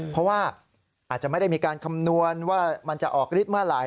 เพราะว่าอาจจะไม่ได้มีการคำนวณว่ามันจะออกฤทธิเมื่อไหร